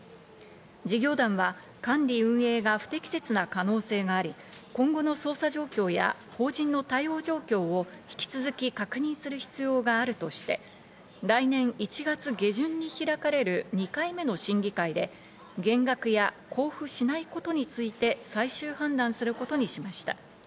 事業団は管理・運営が不適切な可能性があり、今後の捜査状況や法人の対応状況を引き続き確認する必要があるとして、来年１月下旬に開かれる２回目の審議会で、減額や交付しないことについて最終判断することにしました。